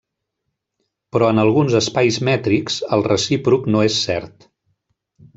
Però en alguns espais mètrics, el recíproc no és cert.